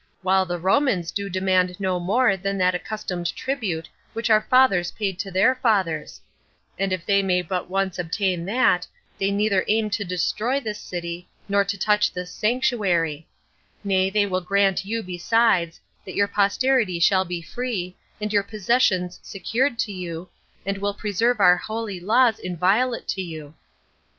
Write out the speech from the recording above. while the Romans do demand no more than that accustomed tribute which our fathers paid to their fathers; and if they may but once obtain that, they neither aim to destroy this city, nor to touch this sanctuary; nay, they will grant you besides, that your posterity shall be free, and your possessions secured to you, and will preserve our holy laws inviolate to you.